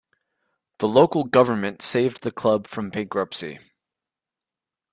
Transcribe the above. The local government saved the club from bankruptcy.